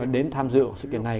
đến tham dự sự kiện này